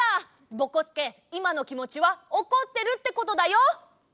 ぼこすけいまのきもちはおこってるってことだよ！